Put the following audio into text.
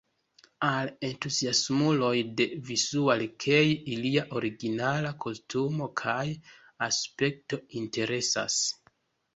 Al entuziasmuloj de Visual-kei, ilia originala kostumo kaj aspekto interesas.